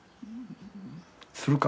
するか。